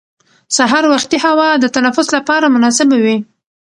سهار وختي هوا د تنفس لپاره مناسبه وي